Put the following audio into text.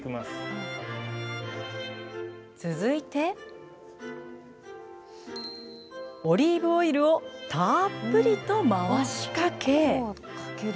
続いてオリーブオイルをたっぷりと回しかけ。